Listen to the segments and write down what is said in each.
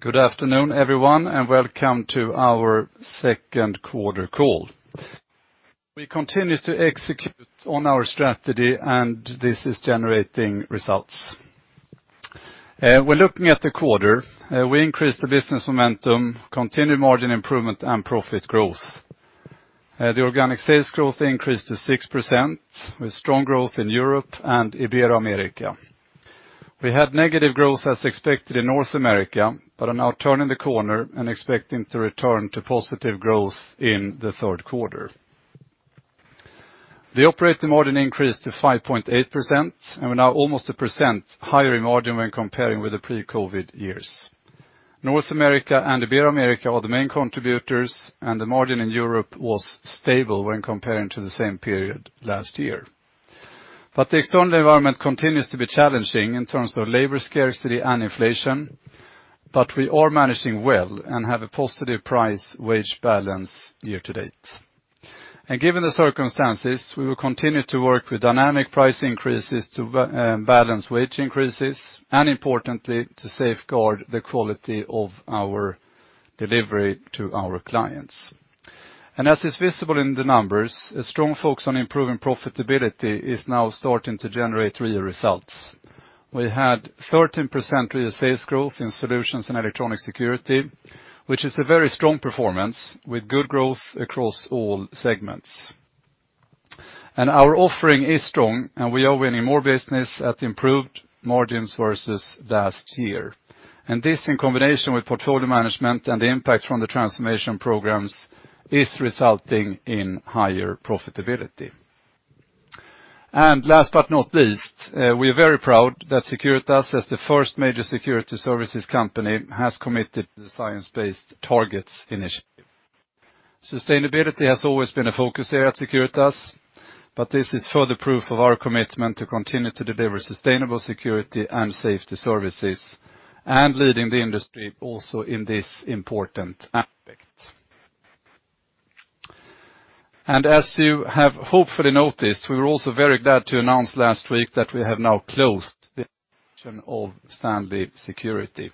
Good afternoon, everyone, and welcome to our second quarter call. We continue to execute on our strategy, and this is generating results. When looking at the quarter, we increased the business momentum, continued margin improvement and profit growth. The organic sales growth increased to 6% with strong growth in Europe and Ibero-America. We had negative growth as expected in North America, but are now turning the corner and expecting to return to positive growth in the third quarter. The operating margin increased to 5.8%, and we're now almost 1% higher in margin when comparing with the pre-COVID years. North America and Ibero-America are the main contributors, and the margin in Europe was stable when comparing to the same period last year. The external environment continues to be challenging in terms of labor scarcity and inflation, but we are managing well and have a positive price wage balance year to date. Given the circumstances, we will continue to work with dynamic price increases to balance wage increases, and importantly, to safeguard the quality of our delivery to our clients. As is visible in the numbers, a strong focus on improving profitability is now starting to generate real results. We had 13% real sales growth in solutions and electronic security, which is a very strong performance with good growth across all segments. Our offering is strong, and we are winning more business at improved margins versus last year. This in combination with portfolio management and the impact from the transformation programs is resulting in higher profitability. Last but not least, we are very proud that Securitas, as the first major security services company, has committed to the Science Based Targets initiative. Sustainability has always been a focus area at Securitas, but this is further proof of our commitment to continue to deliver sustainable security and safety services, and leading the industry also in this important aspect. As you have hopefully noticed, we were also very glad to announce last week that we have now closed the acquisition of Stanley Security.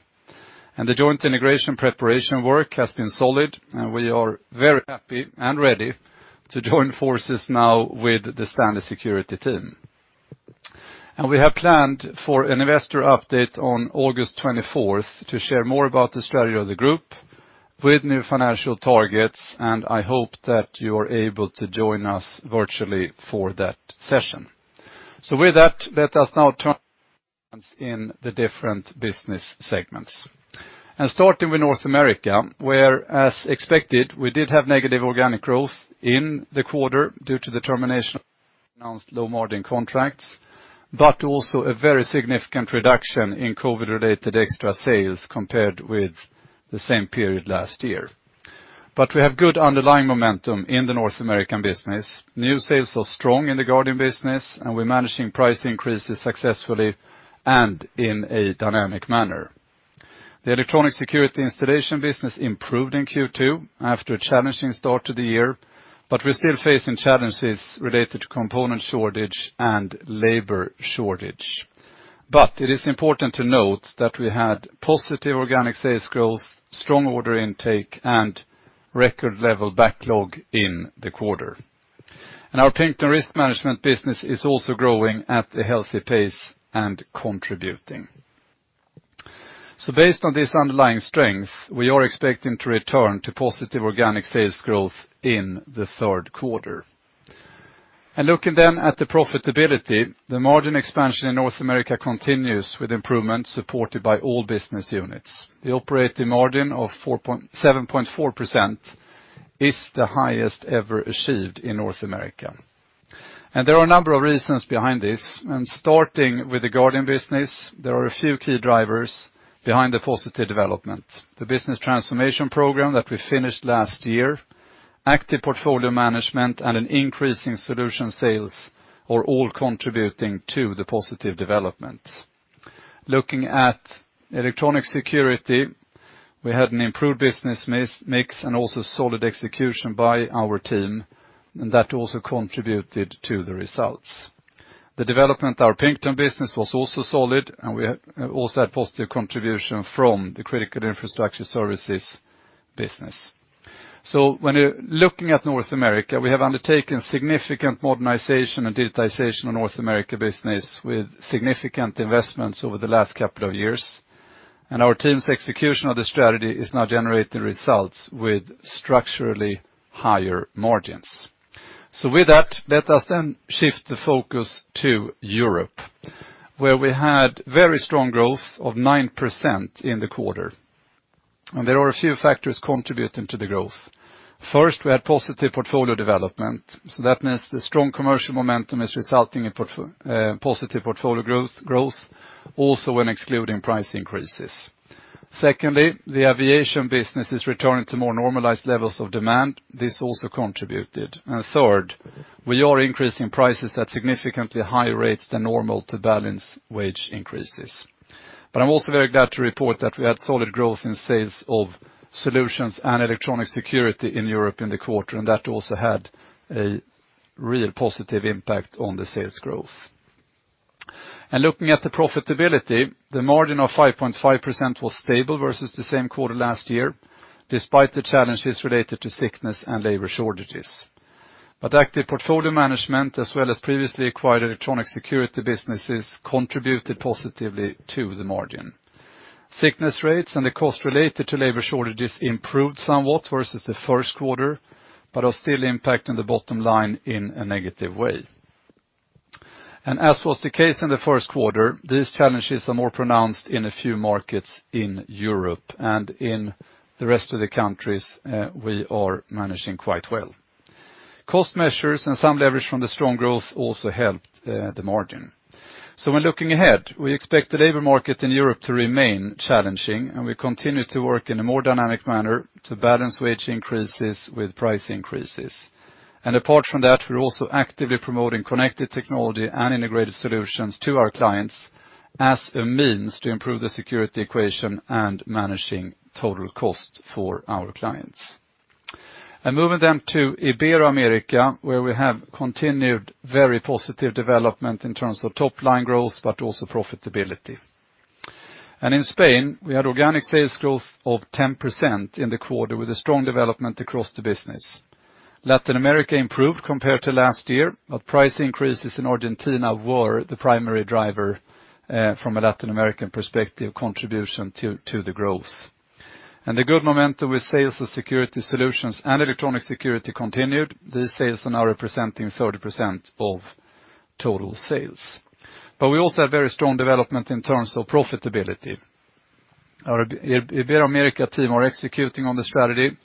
The joint integration preparation work has been solid, and we are very happy and ready to join forces now with the Stanley Security team. We have planned for an investor update on August twenty-fourth to share more about the strategy of the group with new financial targets, and I hope that you are able to join us virtually for that session. With that, let us now turn to the different business segments. Starting with North America, where as expected, we did have negative organic growth in the quarter due to the termination of announced low-margin contracts, but also a very significant reduction in COVID-related extra sales compared with the same period last year. We have good underlying momentum in the North American business. New sales are strong in the Guarding business, and we're managing price increases successfully and in a dynamic manner. The electronic security installation business improved in Q2 after a challenging start to the year, but we're still facing challenges related to component shortage and labor shortage. It is important to note that we had positive organic sales growth, strong order intake, and record level backlog in the quarter. Our Pinkerton risk management business is also growing at a healthy pace and contributing. Based on this underlying strength, we are expecting to return to positive organic sales growth in the third quarter. Looking then at the profitability, the margin expansion in North America continues with improvement supported by all business units. The operating margin of 7.4% is the highest ever achieved in North America. There are a number of reasons behind this. Starting with the Guarding business, there are a few key drivers behind the positive development. The business transformation program that we finished last year, active portfolio management, and an increase in solution sales are all contributing to the positive development. Looking at electronic security, we had an improved business mix and also solid execution by our team, and that also contributed to the results. The development of our Pinkerton business was also solid, and we also had positive contribution from the critical infrastructure services business. When you're looking at North America, we have undertaken significant modernization and digitization of North America business with significant investments over the last couple of years. Our team's execution of the strategy is now generating results with structurally higher margins. With that, let us then shift the focus to Europe, where we had very strong growth of 9% in the quarter. There are a few factors contributing to the growth. First, we had positive portfolio development. That means the strong commercial momentum is resulting in positive portfolio growth, also when excluding price increases. Secondly, the aviation business is returning to more normalized levels of demand. This also contributed. Third, we are increasing prices at significantly higher rates than normal to balance wage increases. I'm also very glad to report that we had solid growth in sales of solutions and electronic security in Europe in the quarter, and that also had a real positive impact on the sales growth. Looking at the profitability, the margin of 5.5% was stable versus the same quarter last year despite the challenges related to sickness and labor shortages. Active portfolio management as well as previously acquired electronic security businesses contributed positively to the margin. Sickness rates and the cost related to labor shortages improved somewhat versus the first quarter, but are still impacting the bottom line in a negative way. As was the case in the first quarter, these challenges are more pronounced in a few markets in Europe, and in the rest of the countries, we are managing quite well. Cost measures and some leverage from the strong growth also helped the margin. When looking ahead, we expect the labor market in Europe to remain challenging, and we continue to work in a more dynamic manner to balance wage increases with price increases. Apart from that, we're also actively promoting connected technology and integrated solutions to our clients as a means to improve the security equation and managing total cost for our clients. Moving then to Ibero-America, where we have continued very positive development in terms of top line growth, but also profitability. In Spain, we had organic sales growth of 10% in the quarter with a strong development across the business. Latin America improved compared to last year, but price increases in Argentina were the primary driver from a Latin American perspective contribution to the growth. The good momentum with sales of security solutions and electronic security continued. These sales are now representing 30% of total sales. We also have very strong development in terms of profitability. Our Ibero-America team are executing on the strategy,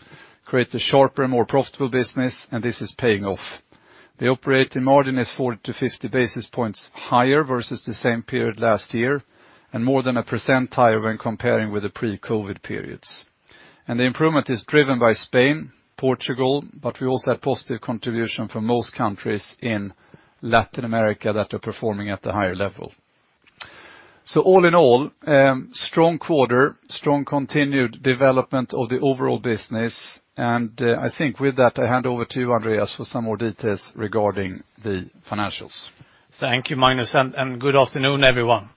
create a sharper and more profitable business, and this is paying off. The operating margin is 40-50 basis points higher versus the same period last year, and more than 1% higher when comparing with the pre-COVID periods. The improvement is driven by Spain, Portugal, but we also have positive contribution from most countries in Latin America that are performing at a higher level. All in all, strong quarter, strong continued development of the overall business, and I think with that, I hand over to Andreas for some more details regarding the financials. Thank you, Magnus, and good afternoon, everyone.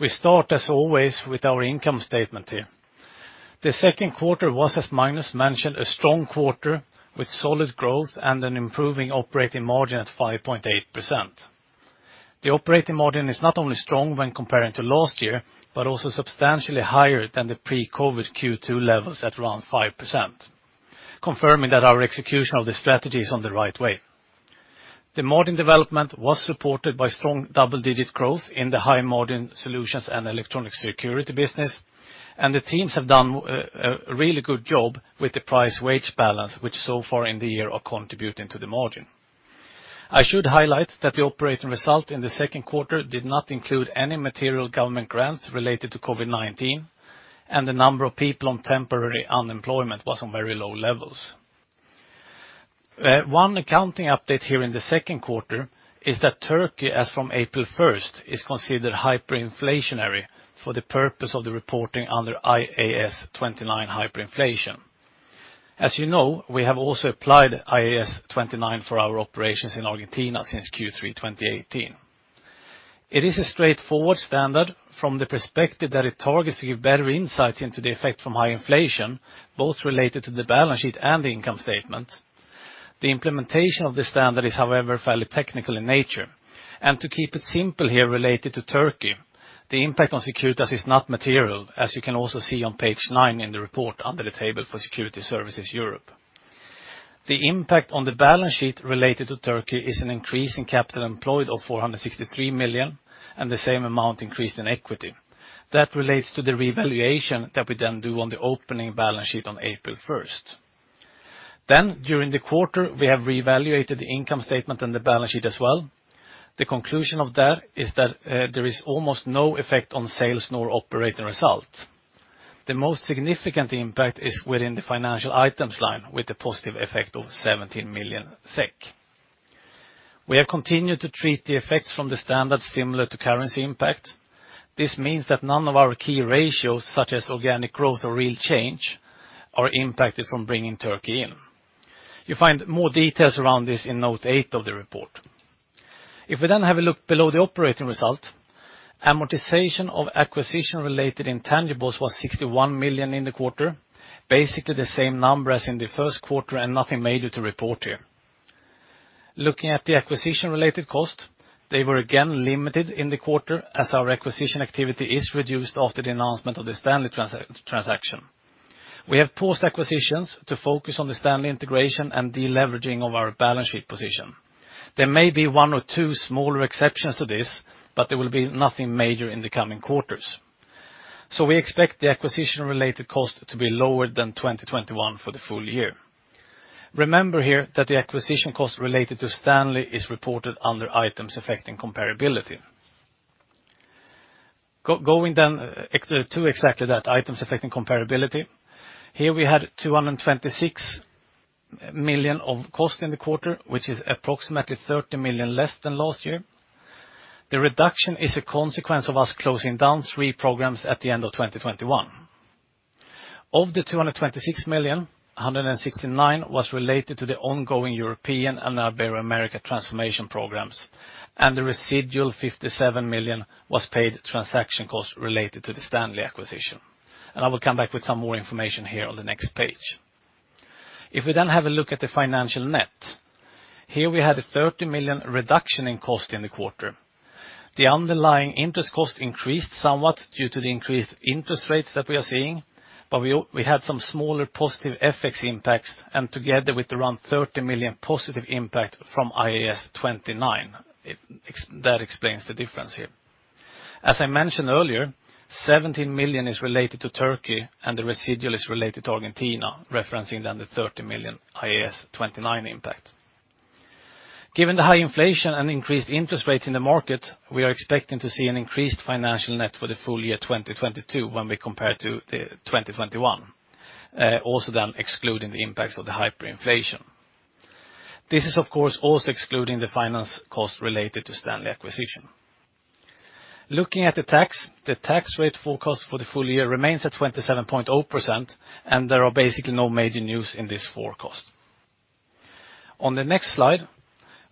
We start, as always, with our income statement here. The second quarter was, as Magnus mentioned, a strong quarter with solid growth and an improving operating margin at 5.8%. The operating margin is not only strong when comparing to last year, but also substantially higher than the pre-COVID Q2 levels at around 5%, confirming that our execution of the strategy is on the right way. The margin development was supported by strong double-digit growth in the high margin solutions and electronic security business. The teams have done a really good job with the price wage balance, which so far in the year are contributing to the margin. I should highlight that the operating result in the second quarter did not include any material government grants related to COVID-19, and the number of people on temporary unemployment was on very low levels. One accounting update here in the second quarter is that Turkey, as from April first, is considered hyperinflationary for the purpose of the reporting under IAS 29 hyperinflation. As you know, we have also applied IAS 29 for our operations in Argentina since Q3 2018. It is a straightforward standard from the perspective that it targets to give better insights into the effect from high inflation, both related to the balance sheet and the income statement. The implementation of the standard is, however, fairly technical in nature. To keep it simple here related to Turkey, the impact on Securitas is not material, as you can also see on page 9 in the report under the table for Security Services Europe. The impact on the balance sheet related to Turkey is an increase in capital employed of 463 million, and the same amount increased in equity. That relates to the revaluation that we then do on the opening balance sheet on April 1. During the quarter, we have revalued the income statement and the balance sheet as well. The conclusion of that is that there is almost no effect on sales nor operating results. The most significant impact is within the financial items line with a positive effect of 17 million SEK. We have continued to treat the effects from the standard similar to currency impact. This means that none of our key ratios, such as organic growth or real change, are impacted from bringing Turkey in. You find more details around this in note eight of the report. If we then have a look below the operating results, amortization of acquisition-related intangibles was 61 million in the quarter, basically the same number as in the first quarter and nothing major to report here. Looking at the acquisition-related costs, they were again limited in the quarter as our acquisition activity is reduced after the announcement of the Stanley transaction. We have paused acquisitions to focus on the Stanley integration and deleveraging of our balance sheet position. There may be one or two smaller exceptions to this, but there will be nothing major in the coming quarters. We expect the acquisition-related costs to be lower than 2021 for the full year. Remember here that the acquisition cost related to Stanley is reported under items affecting comparability. Going then to exactly that items affecting comparability, here we had 226 million of cost in the quarter, which is approximately 30 million less than last year. The reduction is a consequence of us closing down three programs at the end of 2021. Of the 226 million, 169 million was related to the ongoing European and Ibero-America transformation programs, and the residual 57 million was paid transaction costs related to the Stanley acquisition. I will come back with some more information here on the next page. If we then have a look at the financial net, here we had a 30 million reduction in cost in the quarter. The underlying interest cost increased somewhat due to the increased interest rates that we are seeing. We had some smaller positive FX impacts and together with around 30 million positive impact from IAS 29, that explains the difference here. As I mentioned earlier, 17 million is related to Turkey, and the residual is related to Argentina, referencing then the 30 million IAS 29 impact. Given the high inflation and increased interest rates in the market, we are expecting to see an increased financial net for the full year 2022 when we compare to the 2021, also then excluding the impacts of the hyperinflation. This is of course also excluding the finance cost related to Stanley acquisition. Looking at the tax, the tax rate forecast for the full year remains at 27.0%, and there are basically no major news in this forecast. On the next slide,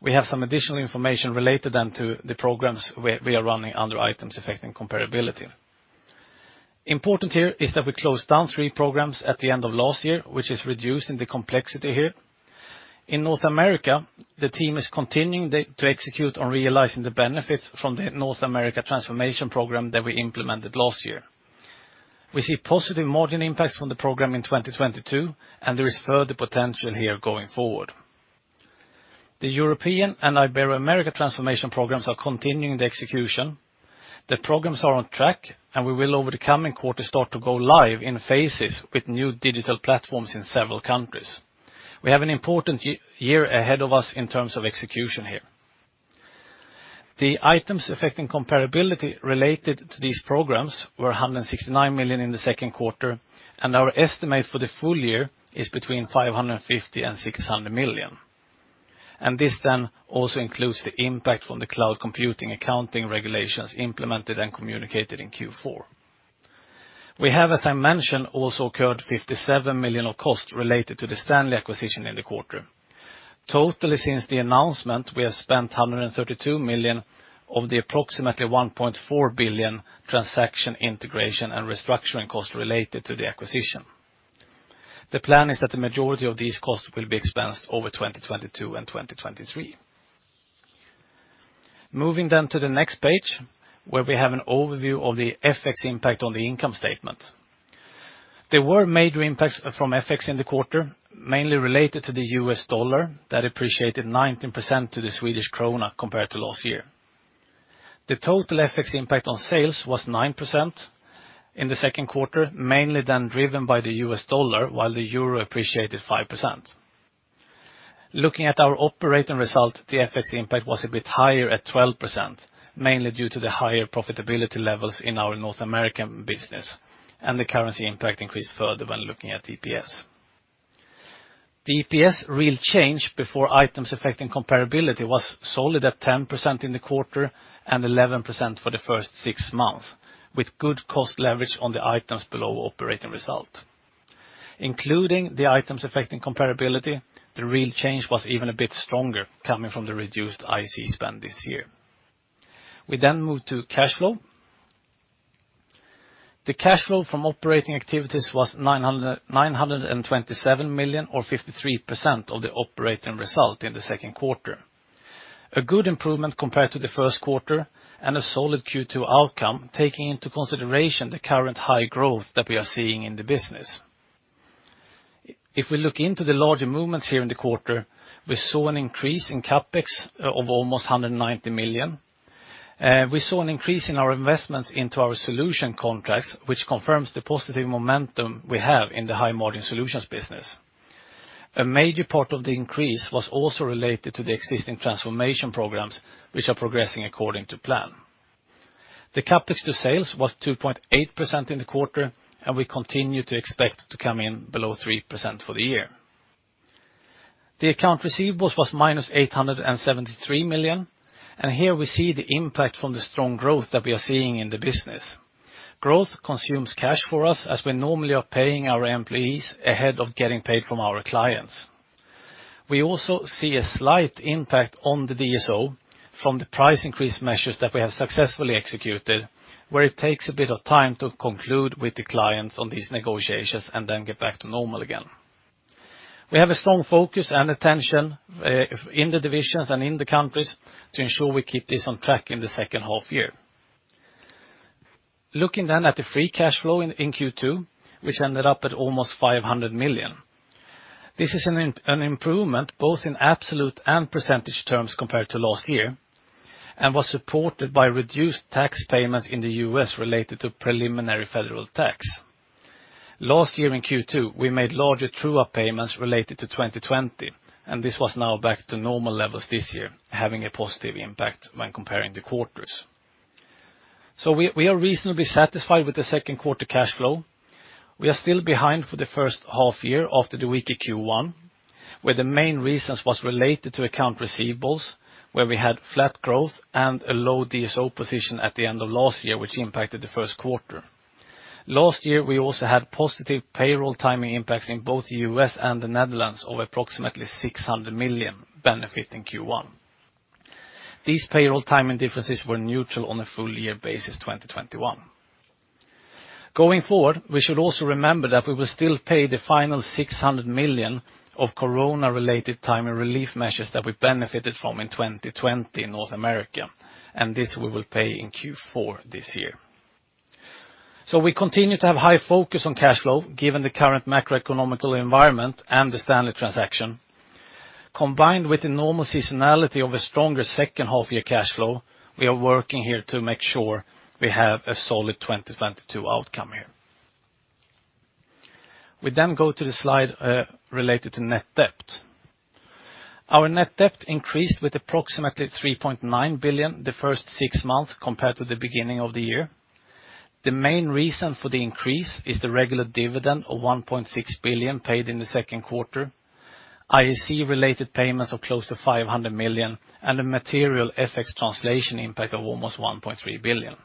we have some additional information related then to the programs we are running under Items Affecting Comparability. Important here is that we closed down three programs at the end of last year, which is reducing the complexity here. In North America, the team is continuing to execute on realizing the benefits from the North America transformation program that we implemented last year. We see positive margin impacts from the program in 2022, and there is further potential here going forward. The European and Iberia America transformation programs are continuing the execution. The programs are on track, and we will over the coming quarters start to go live in phases with new digital platforms in several countries. We have an important year ahead of us in terms of execution here. The items affecting comparability related to these programs were 169 million in the second quarter, and our estimate for the full year is between 550 million and 600 million. This then also includes the impact from the cloud computing accounting regulations implemented and communicated in Q4. We have, as I mentioned, also incurred 57 million of costs related to the Stanley acquisition in the quarter. Totally since the announcement, we have spent 132 million of the approximately 1.4 billion transaction integration and restructuring costs related to the acquisition. The plan is that the majority of these costs will be expensed over 2022 and 2023. Moving then to the next page, where we have an overview of the FX impact on the income statement. There were major impacts from FX in the quarter, mainly related to the US dollar that appreciated 19% to the Swedish krona compared to last year. The total FX impact on sales was 9% in the second quarter, mainly then driven by the US dollar, while the euro appreciated 5%. Looking at our operating result, the FX impact was a bit higher at 12%, mainly due to the higher profitability levels in our North American business, and the currency impact increased further when looking at EPS. The EPS real change before items affecting comparability was solid at 10% in the quarter and 11% for the first six months, with good cost leverage on the items below operating result. Including the items affecting comparability, the real change was even a bit stronger coming from the reduced IAC spend this year. We move to cash flow. The cash flow from operating activities was 927 million or 53% of the operating result in the second quarter. A good improvement compared to the first quarter and a solid Q2 outcome, taking into consideration the current high growth that we are seeing in the business. If we look into the larger movements here in the quarter, we saw an increase in CapEx of almost 190 million. We saw an increase in our investments into our solution contracts, which confirms the positive momentum we have in the high margin solutions business. A major part of the increase was also related to the existing transformation programs, which are progressing according to plan. The CapEx to sales was 2.8% in the quarter, and we continue to expect to come in below 3% for the year. The accounts receivable was -873 million, and here we see the impact from the strong growth that we are seeing in the business. Growth consumes cash for us as we normally are paying our employees ahead of getting paid from our clients. We also see a slight impact on the DSO from the price increase measures that we have successfully executed, where it takes a bit of time to conclude with the clients on these negotiations and then get back to normal again. We have a strong focus and attention in the divisions and in the countries to ensure we keep this on track in the second half year. Looking at the free cash flow in Q2, which ended up at almost 500 million. This is an improvement both in absolute and percentage terms compared to last year and was supported by reduced tax payments in the U.S. related to preliminary federal tax. Last year in Q2, we made larger true-up payments related to 2020, and this was now back to normal levels this year, having a positive impact when comparing the quarters. We are reasonably satisfied with the second quarter cash flow. We are still behind for the first half year after the weaker Q1, where the main reasons was related to accounts receivable, where we had flat growth and a low DSO position at the end of last year, which impacted the first quarter. Last year, we also had positive payroll timing impacts in both U.S. and the Netherlands of approximately 600 million benefiting Q1. These payroll timing differences were neutral on a full-year basis 2021. Going forward, we should also remember that we will still pay the final 600 million of Corona-related timing relief measures that we benefited from in 2020 North America, and this we will pay in Q4 this year. We continue to have high focus on cash flow given the current macroeconomic environment and the Stanley transaction. Combined with the normal seasonality of a stronger second half-year cash flow, we are working here to make sure we have a solid 2022 outcome here. We go to the slide related to net debt. Our net debt increased with approximately 3.9 billion the first six months compared to the beginning of the year. The main reason for the increase is the regular dividend of 1.6 billion paid in the second quarter, IAC related payments of close to 500 million, and a material FX translation impact of almost 1.3 billion.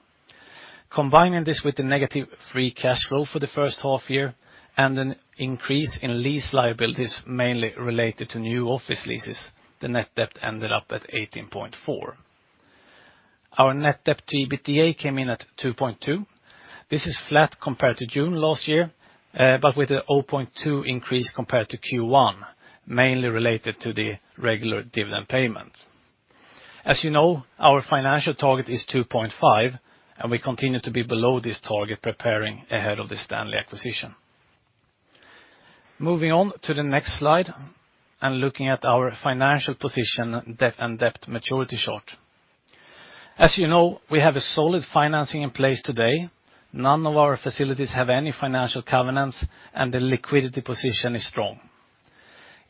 Combining this with the negative free cash flow for the first half year and an increase in lease liabilities mainly related to new office leases, the net debt ended up at 18.4 billion. Our net debt to EBITDA came in at 2.2. This is flat compared to June last year, but with a 0.2 increase compared to Q1, mainly related to the regular dividend payments. As you know, our financial target is 2.5, and we continue to be below this target preparing ahead of the Stanley acquisition. Moving on to the next slide and looking at our financial position, debt and debt maturity chart. As you know, we have a solid financing in place today. None of our facilities have any financial covenants, and the liquidity position is strong.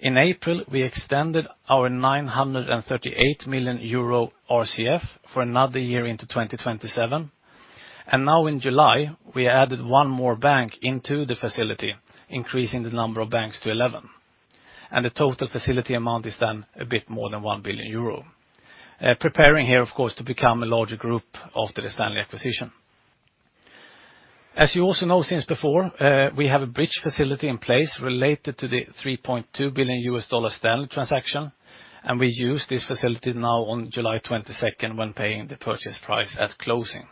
In April, we extended our 938 million euro RCF for another year into 2027. Now in July, we added one more bank into the facility, increasing the number of banks to 11. The total facility amount is then a bit more than 1 billion euro. Preparing here of course to become a larger group after the Stanley acquisition. As you also know since before, we have a bridge facility in place related to the $3.2 billion Stanley Security transaction, and we use this facility now on July 22nd when paying the purchase price at closing.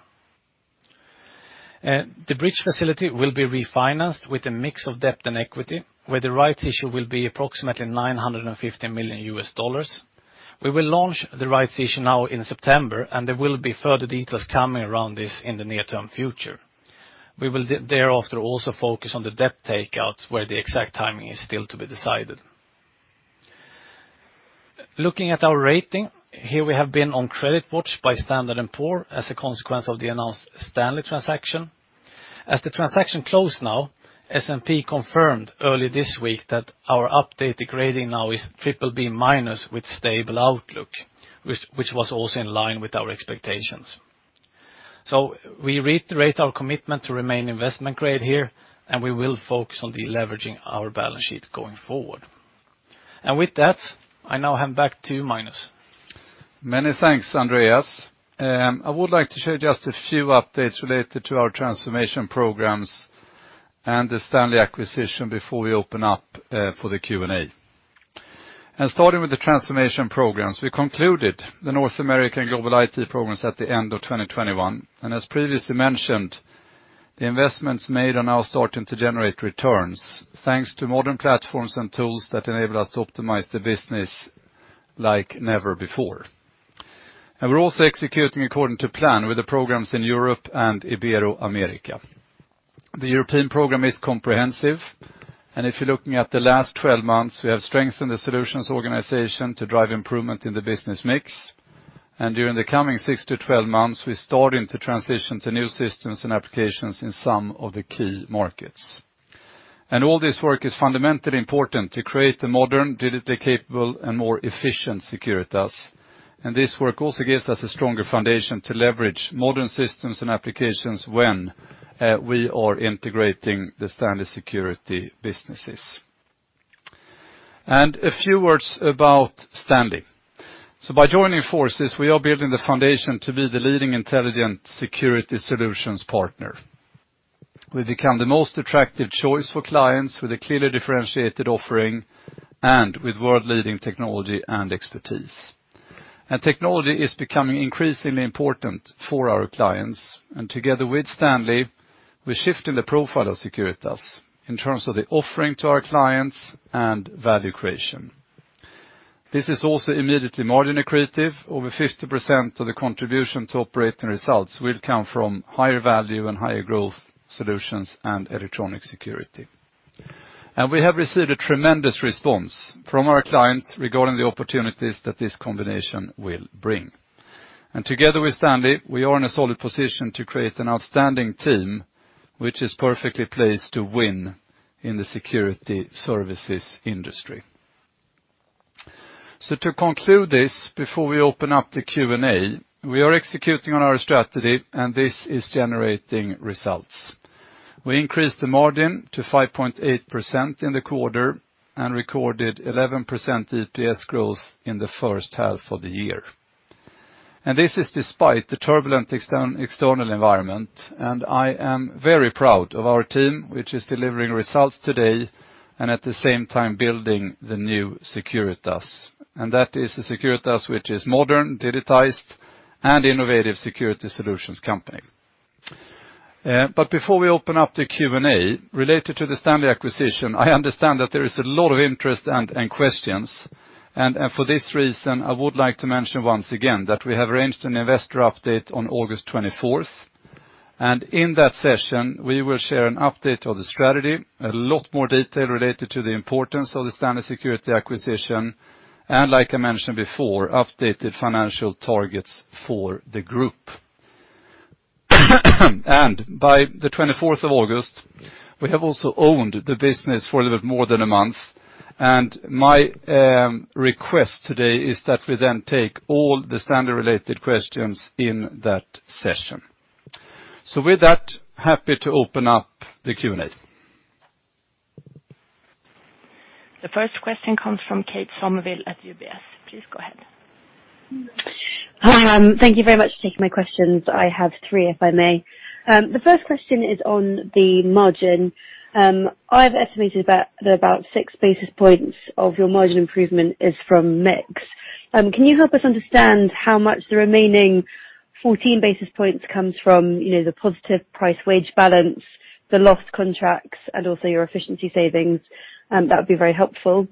The bridge facility will be refinanced with a mix of debt and equity, where the right issue will be approximately $950 million. We will launch the right issue now in September, and there will be further details coming around this in the near-term future. We will thereafter also focus on the debt takeouts where the exact timing is still to be decided. Looking at our rating, here we have been on CreditWatch by Standard & Poor's as a consequence of the announced Stanley Security transaction. As the transaction closed now, S&P confirmed early this week that our updated rating now is BBB- with stable outlook, which was also in line with our expectations. We reiterate our commitment to remain investment grade here, and we will focus on deleveraging our balance sheet going forward. With that, I now hand back to Magnus. Many thanks, Andreas. I would like to share just a few updates related to our transformation programs and the Stanley acquisition before we open up for the Q&A. Starting with the transformation programs, we concluded the North American global IT programs at the end of 2021. As previously mentioned, the investments made are now starting to generate returns, thanks to modern platforms and tools that enable us to optimize the business like never before. We're also executing according to plan with the programs in Europe and Ibero-America. The European program is comprehensive. If you're looking at the last 12 months, we have strengthened the solutions organization to drive improvement in the business mix. During the coming 6-12 months, we're starting to transition to new systems and applications in some of the key markets. All this work is fundamentally important to create a modern, digitally capable, and more efficient Securitas. This work also gives us a stronger foundation to leverage modern systems and applications when we are integrating the Stanley Security businesses. A few words about Stanley. By joining forces, we are building the foundation to be the leading intelligent security solutions partner. We become the most attractive choice for clients with a clearly differentiated offering and with world-leading technology and expertise. Technology is becoming increasingly important for our clients. Together with Stanley, we're shifting the profile of Securitas in terms of the offering to our clients and value creation. This is also immediately margin accretive. Over 50% of the contribution to operating results will come from higher value and higher growth solutions and electronic security. We have received a tremendous response from our clients regarding the opportunities that this combination will bring. Together with Stanley, we are in a solid position to create an outstanding team which is perfectly placed to win in the security services industry. To conclude this before we open up to Q&A, we are executing on our strategy, and this is generating results. We increased the margin to 5.8% in the quarter and recorded 11% EPS growth in the first half of the year. This is despite the turbulent external environment. I am very proud of our team, which is delivering results today and at the same time building the new Securitas, and that is the Securitas which is modern, digitized, and innovative security solutions company. Before we open up to Q&A related to the Stanley acquisition, I understand that there is a lot of interest and questions. For this reason, I would like to mention once again that we have arranged an investor update on August twenty-fourth. In that session, we will share an update of the strategy, a lot more detail related to the importance of the Stanley Security acquisition, and like I mentioned before, updated financial targets for the group. By the 24th of August, we have also owned the business for a little more than a month. My request today is that we then take all the Stanley related questions in that session. With that, happy to open up the Q&A. The first question comes from Micaela Sjökvist at UBS. Please go ahead. Thank you very much for taking my questions. I have three, if I may. The first question is on the margin. I've estimated that about 6 basis points of your margin improvement is from mix. Can you help us understand how much the remaining 14 basis points comes from, you know, the positive price wage balance, the lost contracts, and also your efficiency savings? That would be very helpful.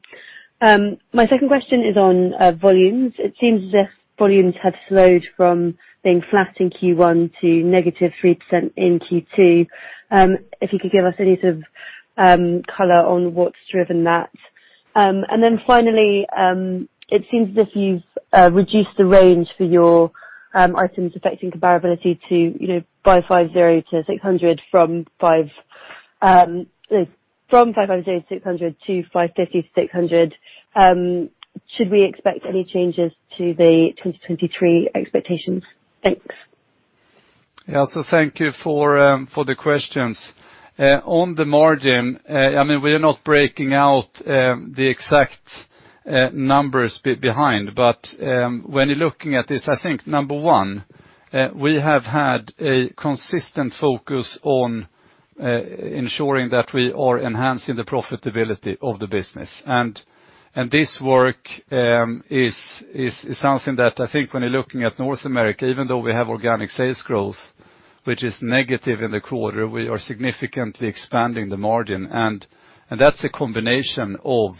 My second question is on volumes. It seems as if volumes have slowed from being flat in Q1 to -3% in Q2. If you could give us any sort of color on what's driven that. Finally, it seems as if you've reduced the range for your items affecting comparability to, you know, by 50-600 from 550-600. Should we expect any changes to the 2023 expectations? Thanks. Yeah. Thank you for the questions. On the margin, I mean, we are not breaking out the exact numbers behind, but when you're looking at this, I think number one, we have had a consistent focus on ensuring that we are enhancing the profitability of the business. This work is something that I think when you're looking at North America, even though we have organic sales growth which is negative in the quarter, we are significantly expanding the margin. That's a combination of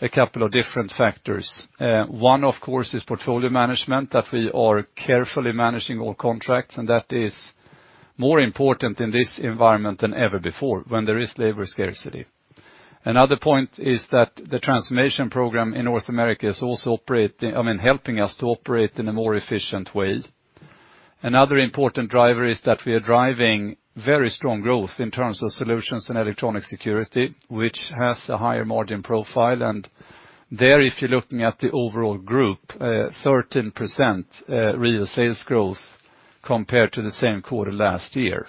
a couple of different factors. One of course is portfolio management, that we are carefully managing our contracts, and that is more important in this environment than ever before when there is labor scarcity. Another point is that the transformation program in North America is also operating, I mean, helping us to operate in a more efficient way. Another important driver is that we are driving very strong growth in terms of solutions and electronic security, which has a higher margin profile. There, if you're looking at the overall group, 13% real sales growth compared to the same quarter last year.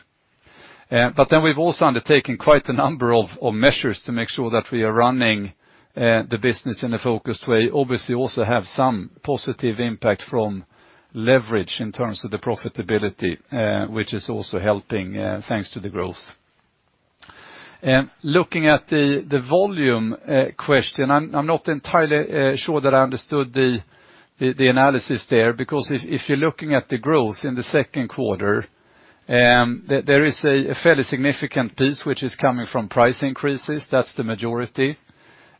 We've also undertaken quite a number of measures to make sure that we are running the business in a focused way. Obviously also have some positive impact from leverage in terms of the profitability, which is also helping, thanks to the growth. Looking at the volume question, I'm not entirely sure that I understood the analysis there. Because if you're looking at the growth in the second quarter, there is a fairly significant piece which is coming from price increases. That's the majority.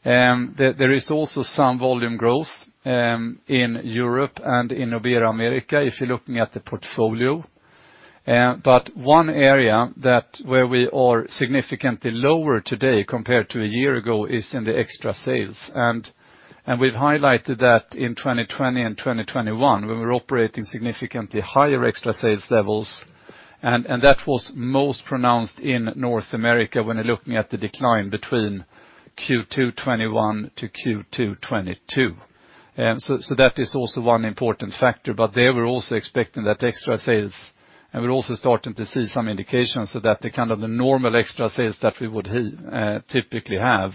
There is also some volume growth in Europe and in Iberia, America, if you're looking at the portfolio. One area where we are significantly lower today compared to a year ago is in the extra sales. We've highlighted that in 2020 and 2021 when we were operating significantly higher extra sales levels, and that was most pronounced in North America when you're looking at the decline between Q2 2021 to Q2 2022. That is also one important factor. There we're also expecting that extra sales, and we're also starting to see some indications so that the kind of the normal extra sales that we would typically have,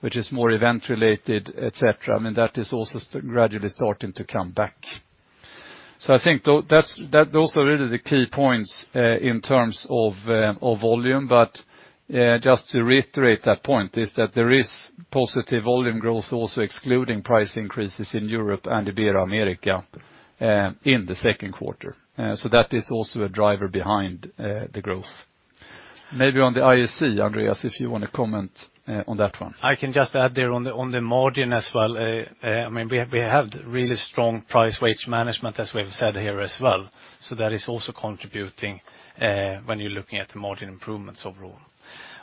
which is more event related, et cetera, I mean, that is also gradually starting to come back. I think that's those are really the key points in terms of volume. Just to reiterate that point is that there is positive volume growth also excluding price increases in Europe and Iberia, America in the second quarter. That is also a driver behind the growth. Maybe on the IAC, Andreas, if you wanna comment on that one. I can just add there on the margin as well. I mean, we have really strong price wage management as we have said here as well. That is also contributing when you're looking at the margin improvements overall.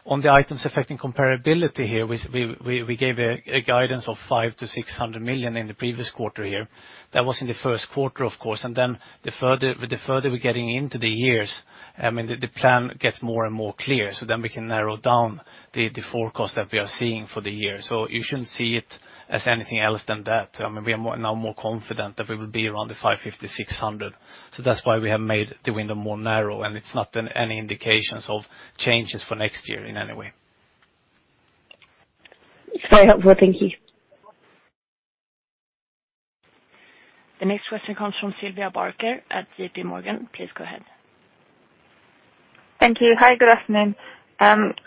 On the items affecting comparability here, we gave a guidance of 500 million-600 million in the previous quarter here. That was in the first quarter, of course, and then the further we're getting into the years, I mean, the plan gets more and more clear, so then we can narrow down the forecast that we are seeing for the year. You shouldn't see it as anything else than that. I mean, we are now more confident that we will be around the 550-600. That's why we have made the window more narrow, and it's not any indications of changes for next year in any way. It's very helpful, thank you. The next question comes from Sylvia Barker at JPMorgan. Please go ahead. Thank you. Hi, good afternoon.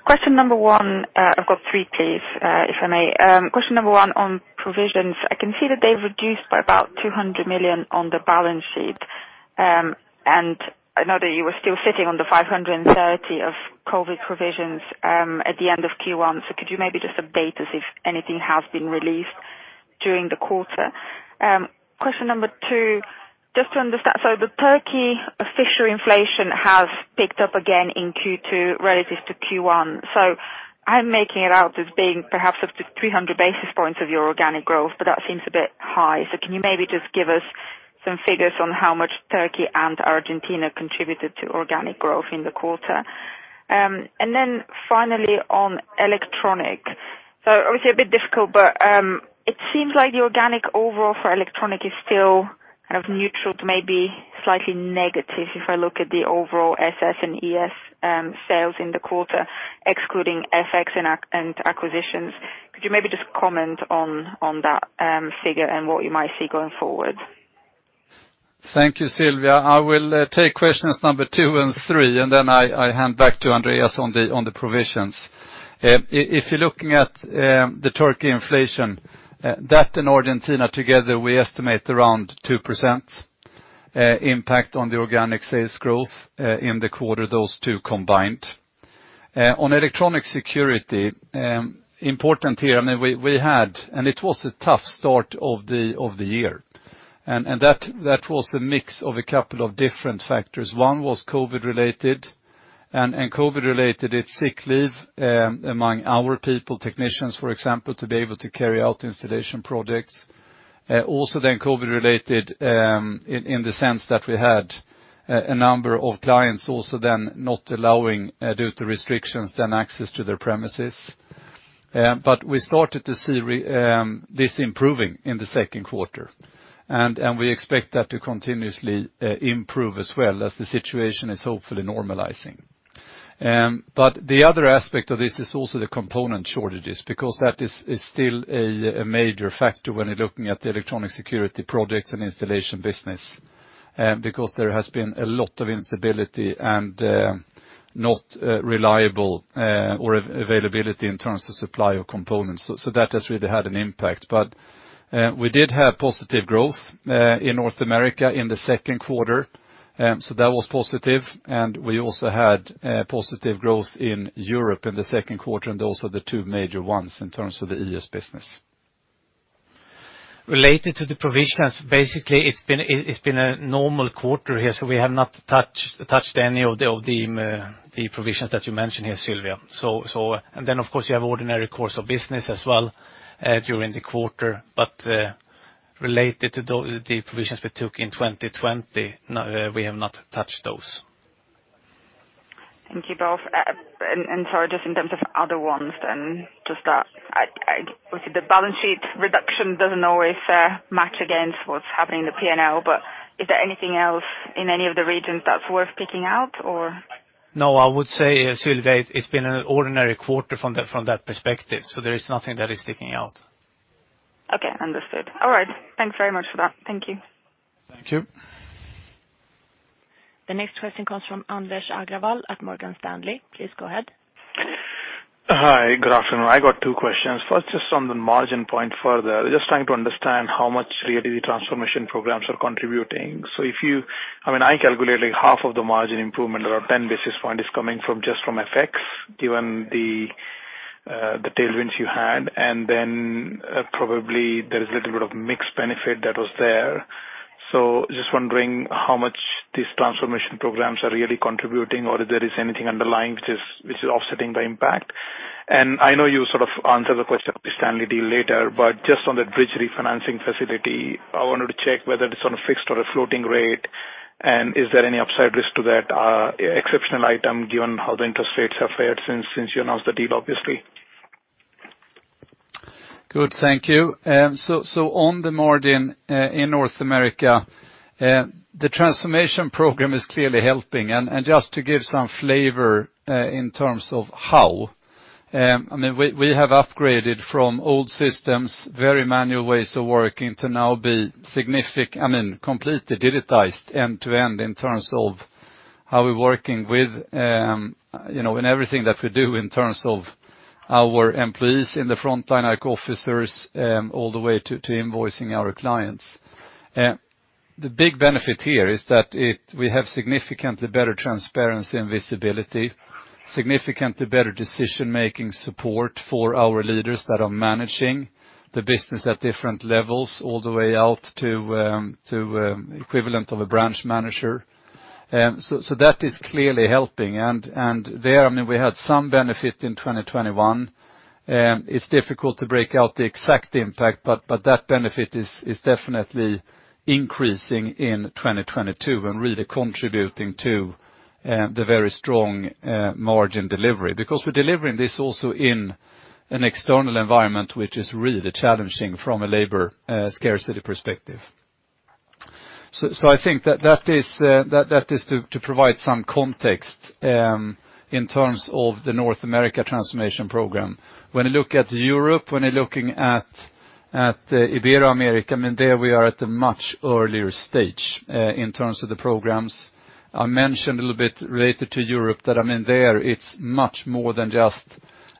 Question number one, I've got three, please, if I may. Question number one on provisions. I can see that they've reduced by about 200 million on the balance sheet, and I know that you were still sitting on the 530 of COVID provisions, at the end of Q1, so could you maybe just update us if anything has been released during the quarter? Question number two, just to understand. The Turkish official inflation has picked up again in Q2 relative to Q1. I'm making it out as being perhaps up to 300 basis points of your organic growth, but that seems a bit high. Can you maybe just give us some figures on how much Turkey and Argentina contributed to organic growth in the quarter? Finally, on electronic. Obviously a bit difficult, but it seems like the organic overall for electronic is still kind of neutral to maybe slightly negative if I look at the overall SS and ES sales in the quarter, excluding FX and acquisitions. Could you maybe just comment on that figure and what you might see going forward? Thank you, Sylvia. I will take questions two and three, and then I hand back to Andreas on the provisions. If you're looking at the Turkey inflation, that and Argentina together, we estimate around 2% impact on the organic sales growth in the quarter, those two combined. On electronic security, important here, I mean, we had and it was a tough start of the year. That was a mix of a couple of different factors. One was COVID-related, and COVID-related, it's sick leave among our people, technicians, for example, to be able to carry out installation projects. Also then COVID-related, in the sense that we had a number of clients also then not allowing due to restrictions, then access to their premises. We started to see this improving in the second quarter. We expect that to continuously improve as well as the situation is hopefully normalizing. The other aspect of this is also the component shortages because that is still a major factor when you're looking at the electronic security projects and installation business, because there has been a lot of instability and not reliable or availability in terms of supply of components. That has really had an impact. We did have positive growth in North America in the second quarter, that was positive. We also had positive growth in Europe in the second quarter, those are the two major ones in terms of the ES business. Related to the provisions, basically it's been a normal quarter here, so we have not touched any of the provisions that you mentioned here, Sylvia. Of course, you have ordinary course of business as well during the quarter, but related to the provisions we took in 2020, no, we have not touched those. Thank you, both. Sorry, just in terms of other ones then, just that obviously the balance sheet reduction doesn't always match against what's happening in the P&L, but is there anything else in any of the regions that's worth picking out? No, I would say, Sylvia, it's been an ordinary quarter from that perspective, so there is nothing that is sticking out. Okay, understood. All right. Thanks very much for that. Thank you. Thank you. The next question comes from Anvesh Agrawal at Morgan Stanley. Please go ahead. Hi, good afternoon. I got two questions. First, just on the margin point further, just trying to understand how much really the transformation programs are contributing. I mean, I calculate like half of the margin improvement or 10 basis point is coming from just from FX, given the tailwinds you had, and then, probably there is a little bit of mixed benefit that was there. Just wondering how much these transformation programs are really contributing or if there is anything underlying which is, which is offsetting the impact. I know you sort of answered the question of the Stanley deal later, but just on the bridge refinancing facility, I wanted to check whether it's on a fixed or a floating rate, and is there any upside risk to that, exceptional item given how the interest rates have fared since you announced the deal, obviously. Good, thank you. On the margin, in North America, the transformation program is clearly helping. Just to give some flavor, in terms of how, I mean, we have upgraded from old systems, very manual ways of working to completely digitized end-to-end in terms of how we're working with, you know, in everything that we do in terms of our employees in the frontline, like officers, all the way to invoicing our clients. The big benefit here is that we have significantly better transparency and visibility, significantly better decision-making support for our leaders that are managing the business at different levels all the way out to equivalent of a branch manager. That is clearly helping. There, I mean, we had some benefit in 2021. It's difficult to break out the exact impact, but that benefit is definitely increasing in 2022 and really contributing to the very strong margin delivery, because we're delivering this also in an external environment which is really challenging from a labor scarcity perspective. I think that that is to provide some context in terms of the North America transformation program. When you look at Europe, when you're looking at Ibero-America, I mean there we are at a much earlier stage in terms of the programs. I mentioned a little bit related to Europe that, I mean, there it's much more than just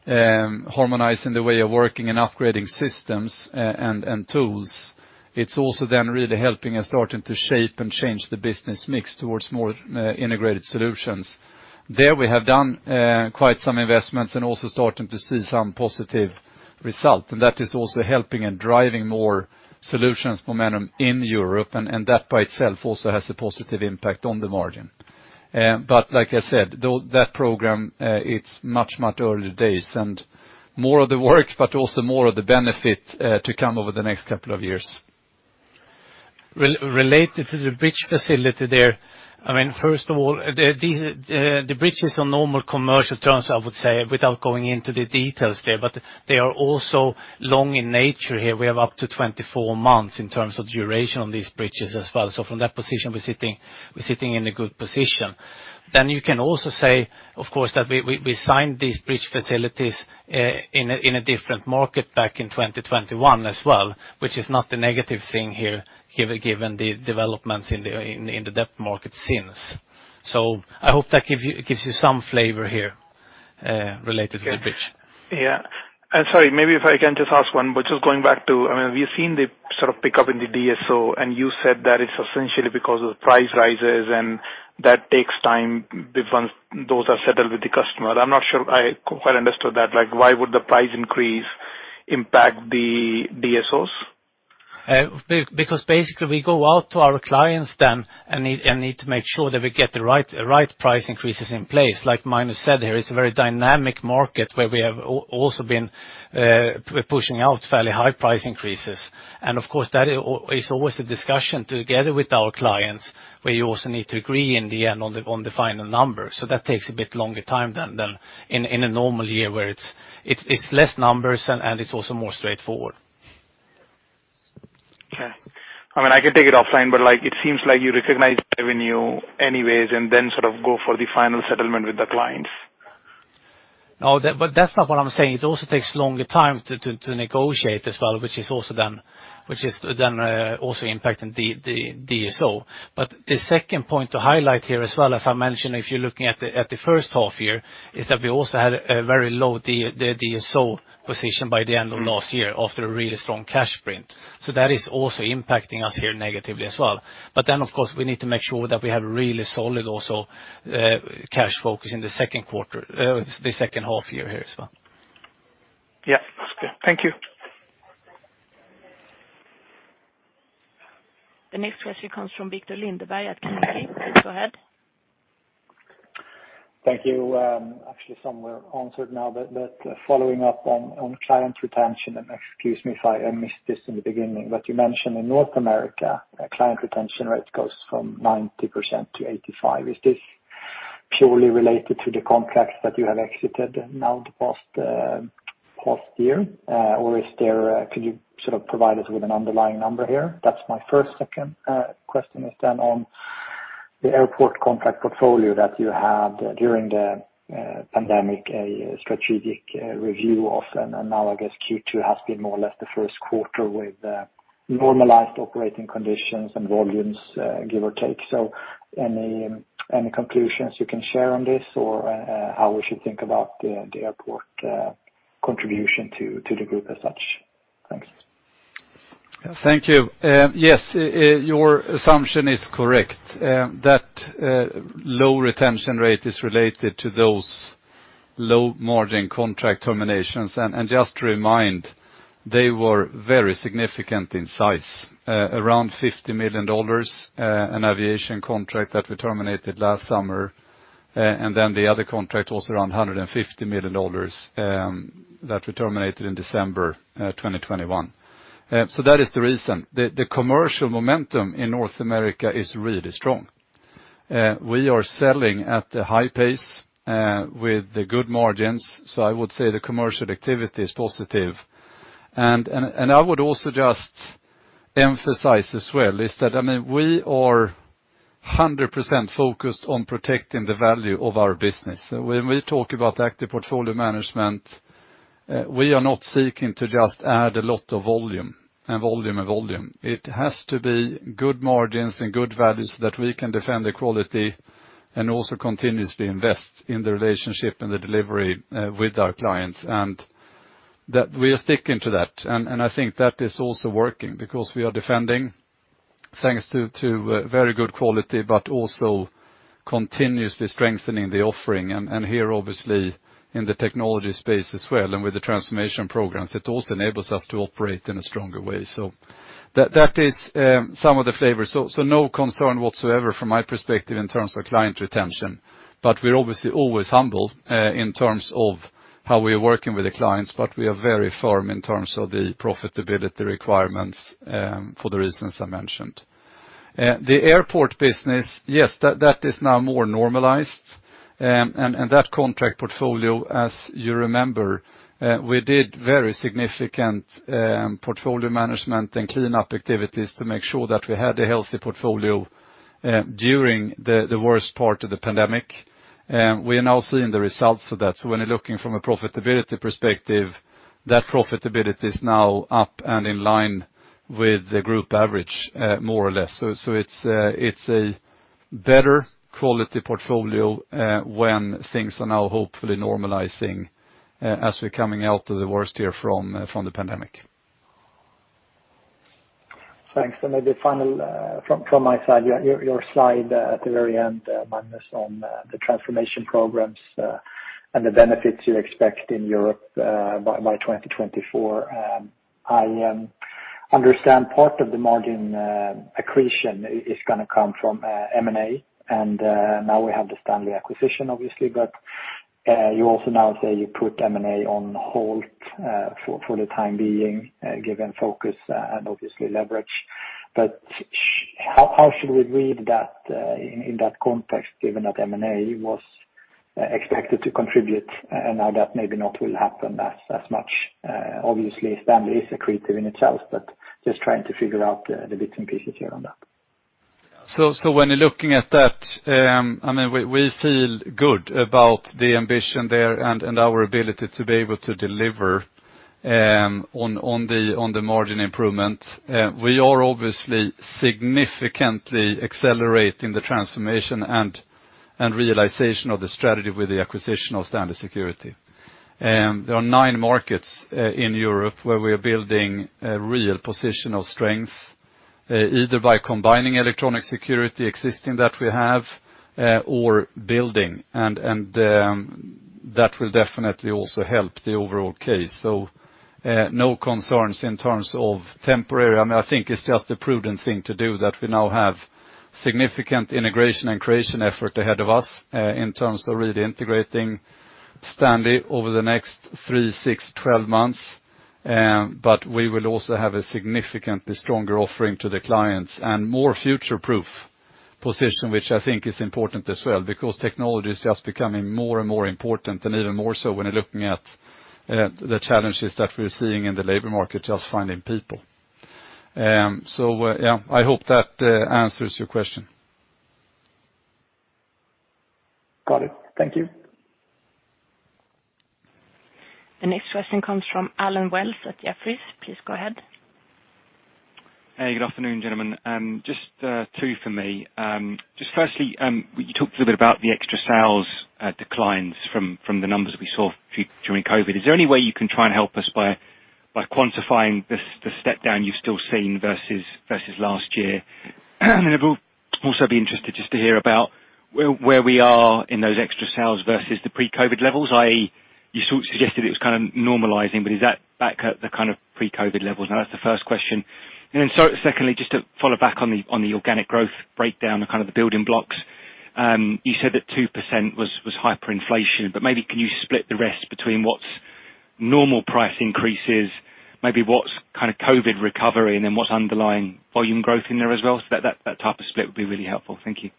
harmonizing the way of working and upgrading systems and tools. It's also then really helping us starting to shape and change the business mix towards more integrated solutions. There we have done quite some investments and also starting to see some positive result. That is also helping and driving more solutions momentum in Europe, and that by itself also has a positive impact on the margin. Like I said, though, that program, it's much earlier days, and more of the work, but also more of the benefit to come over the next couple of years. Related to the bridge facility there, I mean, first of all, the bridges on normal commercial terms, I would say, without going into the details there, but they are also long in nature here. We have up to 24 months in terms of duration on these bridges as well. From that position, we're sitting in a good position. You can also say, of course, that we signed these bridge facilities in a different market back in 2021 as well, which is not a negative thing here given the developments in the debt market since. I hope that gives you some flavor here related to the bridge. Yeah. Sorry, maybe if I can just ask one, which is going back to, I mean, we've seen the sort of pickup in the DSO, and you said that it's essentially because of the price rises, and that takes time before those are settled with the customer. I'm not sure I quite understood that. Like, why would the price increase impact the DSOs? Because basically we go out to our clients then and need to make sure that we get the right price increases in place. Like Magnus said here, it's a very dynamic market where we have also been pushing out fairly high price increases. Of course, that is always a discussion together with our clients, where you also need to agree in the end on the final number. That takes a bit longer time than in a normal year, where it's less numbers and it's also more straightforward. Okay. I mean, I can take it offline, but, like, it seems like you recognize revenue anyways and then sort of go for the final settlement with the clients. No, that's not what I'm saying. It also takes longer time to negotiate as well, which is then also impacting the DSO. The second point to highlight here as well, as I mentioned, if you're looking at the first half year, is that we also had a very low DSO position by the end of last year after a really strong cash sprint. That is also impacting us here negatively as well. Of course, we need to make sure that we have really solid also cash focus in the second half year here as well. Yeah, that's good. Thank you. The next question comes from Viktor Lindeberg at Carnegie. Please go ahead. Thank you. Actually some were answered now, but following up on client retention, and excuse me if I missed this in the beginning, but you mentioned in North America, client retention rates goes from 90% to 85%. Is this purely related to the contracts that you have exited the past year? Or is there, could you sort of provide us with an underlying number here? That's my first. Second question is then on the airport contract portfolio that you had during the pandemic, a strategic review of, and now I guess Q2 has been more or less the first quarter with normalized operating conditions and volumes, give or take. Any conclusions you can share on this or how we should think about the airport contribution to the group as such? Thanks. Thank you. Yes, your assumption is correct, that low retention rate is related to those low margin contract terminations. Just to remind, they were very significant in size, around $50 million, an aviation contract that we terminated last summer. Then the other contract was around $150 million, that we terminated in December 2021. That is the reason. The commercial momentum in North America is really strong. We are selling at a high pace, with the good margins, so I would say the commercial activity is positive. I would also just emphasize as well is that, I mean, we are 100% focused on protecting the value of our business. When we talk about active portfolio management, we are not seeking to just add a lot of volume. It has to be good margins and good values that we can defend the quality and also continuously invest in the relationship and the delivery with our clients, and that we are sticking to that. I think that is also working because we are defending, thanks to very good quality, but also continuously strengthening the offering. Here, obviously in the technology space as well, and with the transformation programs, it also enables us to operate in a stronger way. So that is some of the flavors. No concern whatsoever from my perspective in terms of client retention. We're obviously always humble in terms of how we are working with the clients, but we are very firm in terms of the profitability requirements for the reasons I mentioned. The airport business, yes, that is now more normalized. That contract portfolio, as you remember, we did very significant portfolio management and clean up activities to make sure that we had a healthy portfolio during the worst part of the pandemic. We are now seeing the results of that. When you're looking from a profitability perspective, that profitability is now up and in line with the group average, more or less. It's a better quality portfolio when things are now hopefully normalizing as we're coming out of the worst year from the pandemic. Thanks. Maybe final from my side. Your slide at the very end, Magnus, on the transformation programs and the benefits you expect in Europe by 2024. I understand part of the margin accretion is gonna come from M&A, and now we have the Stanley acquisition, obviously. You also now say you put M&A on hold for the time being, given focus and obviously leverage. How should we read that in that context, given that M&A was expected to contribute, and now that maybe not will happen as much? Obviously Stanley is accretive in itself, but just trying to figure out the bits and pieces here on that. When you're looking at that, I mean, we feel good about the ambition there and our ability to deliver on the margin improvement. We are obviously significantly accelerating the transformation and realization of the strategy with the acquisition of Stanley Security. There are nine markets in Europe where we are building a real position of strength, either by combining existing electronic security that we have or building. That will definitely also help the overall case. No concerns in terms of temporary. I mean, I think it's just the prudent thing to do that we now have significant integration and creation effort ahead of us in terms of really integrating Stanley over the next three, six, 12 months. We will also have a significantly stronger offering to the clients and more future-proof position, which I think is important as well because technology is just becoming more and more important, and even more so when you're looking at the challenges that we're seeing in the labor market, just finding people. Yeah, I hope that answers your question. Got it. Thank you. The next question comes from Allen Wells at Jefferies. Please go ahead. Hey, good afternoon, gentlemen. Just two for me. Just firstly, you talked a little bit about the extra sales declines from the numbers we saw during COVID. Is there any way you can try and help us by quantifying the step down you've still seen versus last year? I will also be interested just to hear about where we are in those extra sales versus the pre-COVID levels. i.e., you sort of suggested it was kind of normalizing, but is that back at the kind of pre-COVID levels now? That's the first question. Secondly, just to follow back on the on the organic growth breakdown and kind of the building blocks, you said that 2% was hyperinflation, but maybe can you split the rest between what's normal price increases, maybe what's kind of COVID recovery, and then what's underlying volume growth in there as well? That type of split would be really helpful. Thank you.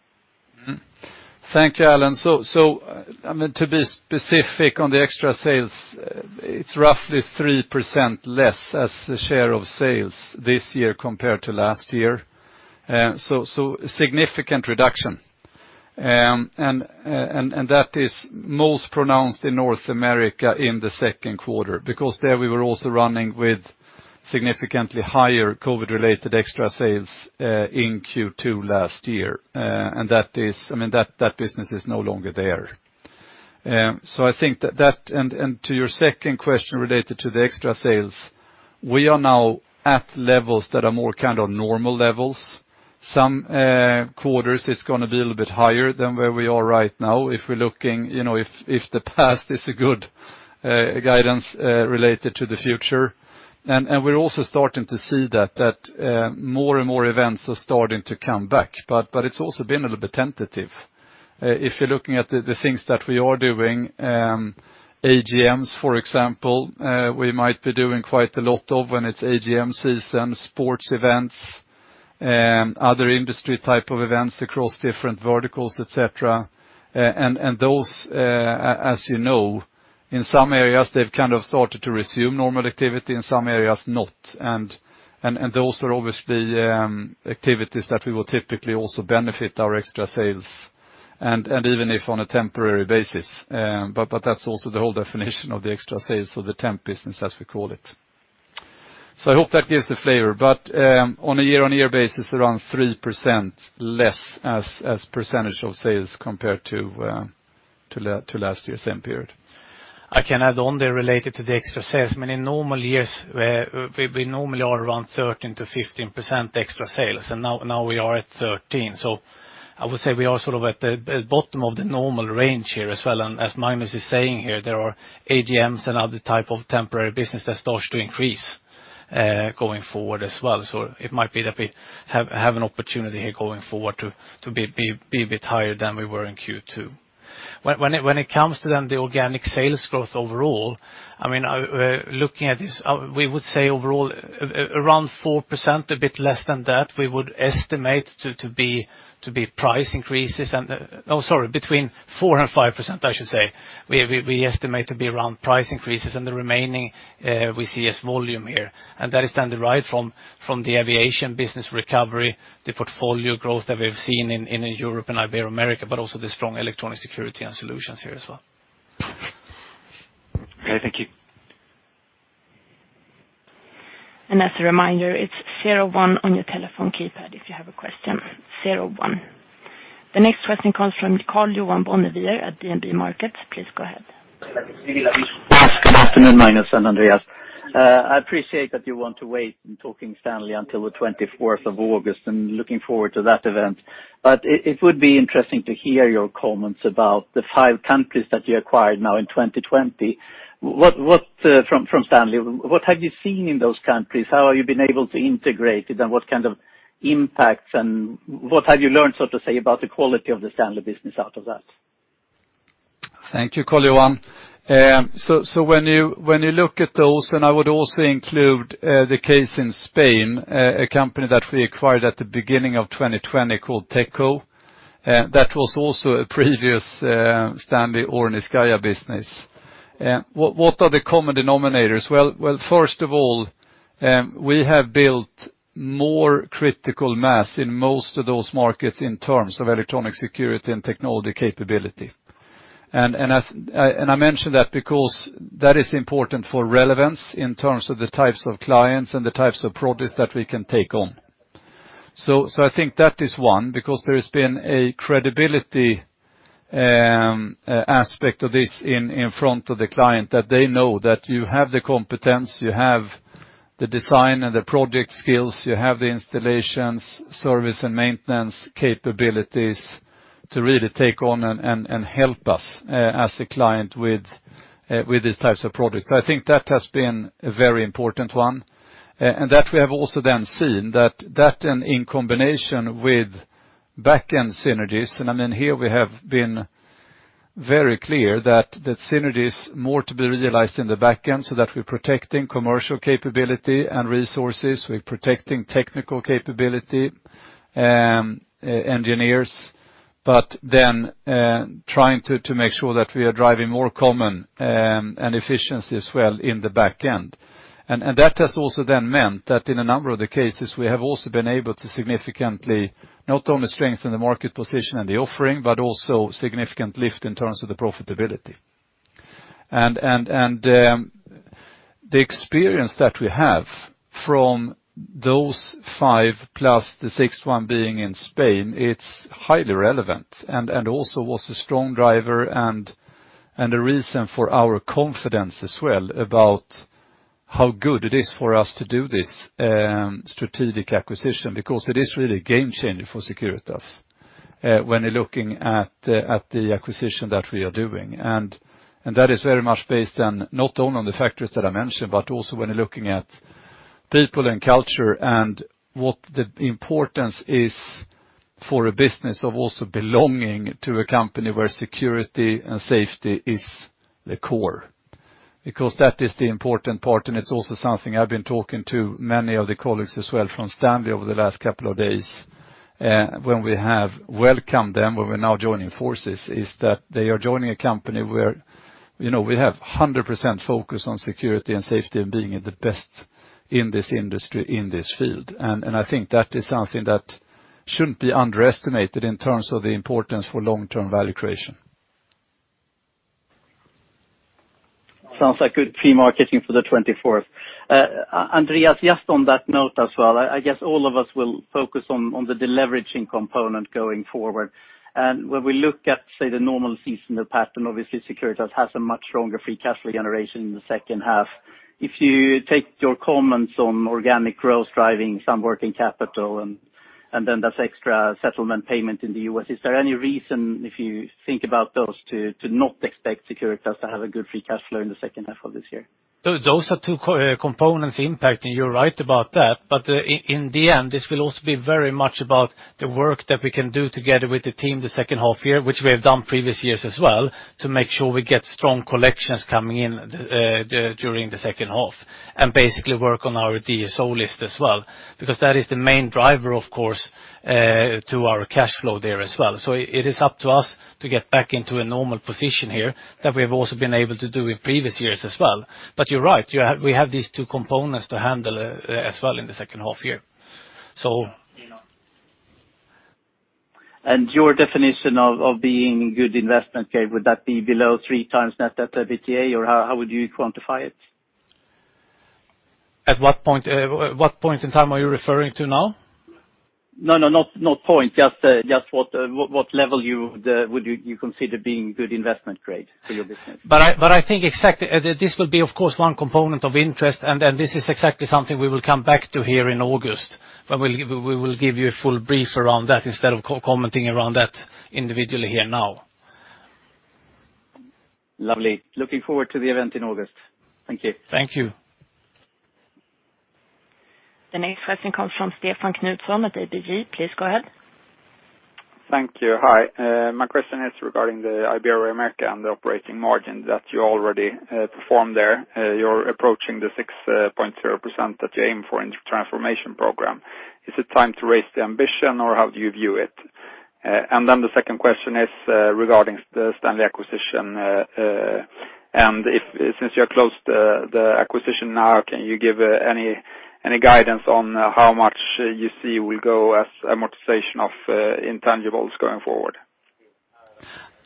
Thank you, Allen. So, I mean, to be specific on the extra sales, it's roughly 3% less as the share of sales this year compared to last year. Significant reduction. That is most pronounced in North America in the second quarter because there we were also running with significantly higher COVID-related extra sales in Q2 last year. That business is no longer there. I think that to your second question related to the extra sales, we are now at levels that are more kind of normal levels. Some quarters it's gonna be a little bit higher than where we are right now if we're looking, you know, if the past is a good guidance related to the future. We're also starting to see that more and more events are starting to come back, but it's also been a little bit tentative. If you're looking at the things that we are doing, AGMs, for example, we might be doing quite a lot of when it's AGM season, sports events, other industry type of events across different verticals, et cetera. Those, as you know, in some areas they've kind of started to resume normal activity, in some areas not. Those are obviously activities that we will typically also benefit our extra sales and even if on a temporary basis. But that's also the whole definition of the extra sales or the temp business, as we call it. I hope that gives the flavor. On a year-on-year basis, around 3% less as percentage of sales compared to last year's same period. I can add on there related to the extra sales. I mean, in normal years, where we normally are around 13%-15% extra sales, and now we are at 13%. I would say we are sort of at the bottom of the normal range here as well. As Magnus is saying here, there are AGMs and other type of temporary business that starts to increase going forward as well. It might be that we have an opportunity here going forward to be a bit higher than we were in Q2. When it comes to then the organic sales growth overall, I mean, looking at this, we would say overall around 4%, a bit less than that, we would estimate to be price increases and between 4% and 5%, I should say. We estimate to be around price increases and the remaining we see as volume here. That is then derived from the aviation business recovery, the portfolio growth that we've seen in Europe and Iberia, America, but also the strong electronic security and solutions here as well. Okay, thank you. As a reminder, it's zero one on your telephone keypad if you have a question, zero one. The next question comes from Karl-Johan Bonnevier at DNB Markets. Please go ahead. Yes, good afternoon, Magnus and Andreas. I appreciate that you want to wait on talking Stanley until the 24th of August, and looking forward to that event. It would be interesting to hear your comments about the 5 countries that you acquired now in 2020. What from Stanley have you seen in those countries? How have you been able to integrate it? And what kind of impacts and what have you learned, so to say, about the quality of the Stanley business out of that? Thank you, Karl Johan. So when you look at those, I would also include the case in Spain, a company that we acquired at the beginning of 2020 called Techco. That was also a previous Stanley or Niscayah business. What are the common denominators? Well, first of all, we have built more critical mass in most of those markets in terms of electronic security and technology capability. As I mention that because that is important for relevance in terms of the types of clients and the types of products that we can take on. I think that is one, because there has been a credibility aspect of this in front of the client, that they know that you have the competence, you have the design and the project skills, you have the installations, service and maintenance capabilities to really take on and help us, as a client with these types of projects. I think that has been a very important one. That we have also then seen that and in combination with back-end synergies, and I mean here we have been very clear that synergy is more to be realized in the back end, so that we're protecting commercial capability and resources. We're protecting technical capability, engineers, but then trying to make sure that we are driving more common and efficiency as well in the back end. The experience that we have from those five plus the sixth one being in Spain. It's highly relevant and also was a strong driver and a reason for our confidence as well about how good it is for us to do this strategic acquisition. Because it is really a game changer for Securitas when you're looking at the acquisition that we are doing. That is very much based on not only the factors that I mentioned, but also when you're looking at people and culture and what the importance is for a business of also belonging to a company where security and safety is the core. Because that is the important part, and it's also something I've been talking to many of the colleagues as well from Stanley over the last couple of days, when we have welcomed them, when we're now joining forces, is that they are joining a company where, you know, we have 100% focus on security and safety and being the best in this industry, in this field. I think that is something that shouldn't be underestimated in terms of the importance for long-term value creation. Sounds like good pre-marketing for the 24th. Andreas, just on that note as well, I guess all of us will focus on the deleveraging component going forward. When we look at, say, the normal seasonal pattern, obviously Securitas has a much stronger free cash flow generation in the second half. If you take your comments on organic growth driving some working capital and then there's extra settlement payment in the US, is there any reason, if you think about those, to not expect Securitas to have a good free cash flow in the second half of this year? Those are two components impacting. You're right about that. In the end, this will also be very much about the work that we can do together with the team the second half year, which we have done previous years as well, to make sure we get strong collections coming in during the second half, and basically work on our DSO list as well. Because that is the main driver, of course, to our cash flow there as well. It is up to us to get back into a normal position here that we have also been able to do in previous years as well. You're right, we have these two components to handle as well in the second half year. Your definition of being good investment grade, would that be below times net debt to EBITDA, or how would you quantify it? At what point in time are you referring to now? No, just what level would you consider being good investment grade for your business? I think exactly. This will be, of course, one component of interest, and then this is exactly something we will come back to here in August, when we will give you a full brief around that instead of co-commenting around that individually here now. Lovely. Looking forward to the event in August. Thank you. Thank you. The next question comes from Stefan Knutsson at ABG. Please go ahead. Thank you. Hi. My question is regarding the Iberia and Americas and the operating margin that you already performed there. You're approaching the 6.0% that you aim for in the transformation program. Is it time to raise the ambition, or how do you view it? The second question is regarding the Stanley acquisition. Since you have closed the acquisition now, can you give any guidance on how much you see will go as amortization of intangibles going forward?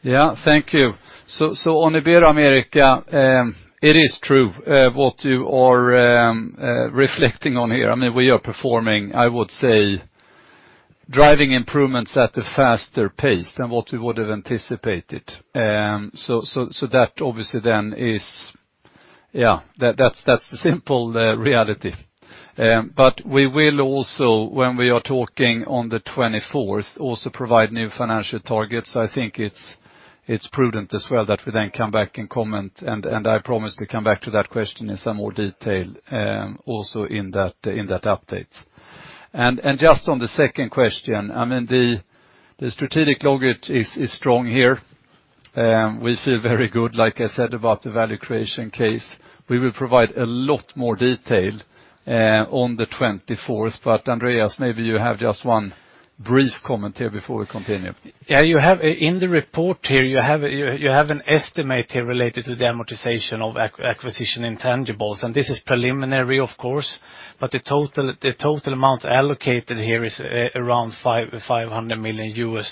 Thank you. On Ibero-America, it is true what you are reflecting on here. I mean, we are performing, I would say, driving improvements at a faster pace than what we would've anticipated. That obviously then is. Yeah. That's the simple reality. But we will also, when we are talking on the twenty-fourth, also provide new financial targets. I think it's prudent as well that we then come back and comment, and I promise to come back to that question in some more detail, also in that update. Just on the second question, I mean, the strategic logic is strong here. We feel very good, like I said, about the value creation case. We will provide a lot more detail on the twenty-fourth. Andreas, maybe you have just one brief comment here before we continue. Yeah. You have in the report here an estimate here related to the amortization of acquisition intangibles, and this is preliminary, of course, but the total amount allocated here is around $500 million,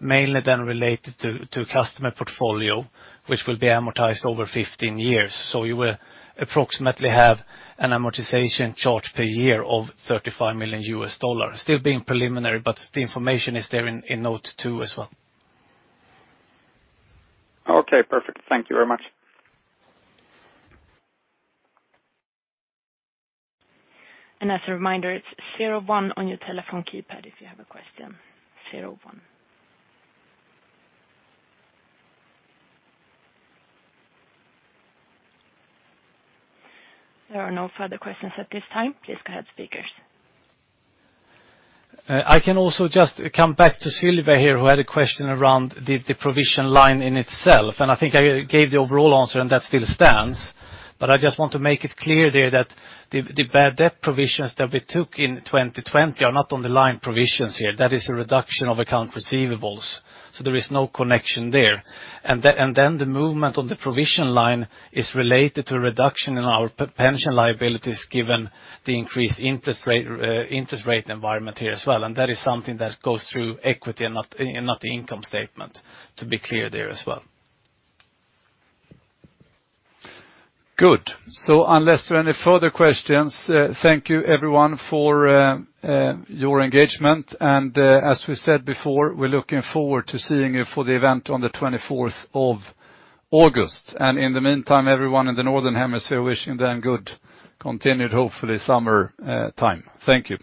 mainly then related to customer portfolio, which will be amortized over 15 years. You will approximately have an amortization charge per year of $35 million. Still being preliminary, but the information is there in Note two as well. Okay, perfect. Thank you very much. As a reminder, it's zero one on your telephone keypad if you have a question. Zero one. There are no further questions at this time. Please go ahead, speakers. I can also just come back to Sylvia here, who had a question around the provision line in itself, and I think I gave the overall answer, and that still stands, but I just want to make it clear there that the bad debt provisions that we took in 2020 are not on the line provisions here. That is a reduction of accounts receivable. There is no connection there. Then the movement on the provision line is related to a reduction in our pension liabilities, given the increased interest rate environment here as well, and that is something that goes through equity and not the income statement, to be clear there as well. Good. Unless there are any further questions, thank you, everyone, for your engagement. As we said before, we're looking forward to seeing you for the event on the 24th of August. In the meantime, everyone in the Northern Hemisphere, wishing them good continued, hopefully, summer time. Thank you.